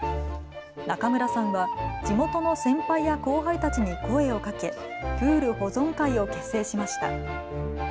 中村さんは地元の先輩や後輩たちに声をかけプール保存会を結成しました。